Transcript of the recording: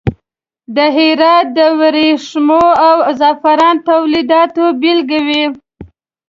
د هرات د وریښمو او زغفرانو تولیداتو بیلګې وې.